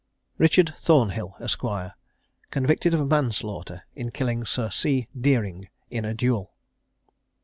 RICHARD THORNHILL, ESQ., CONVICTED OF MANSLAUGHTER, IN KILLING SIR C. DEERING IN A DUEL.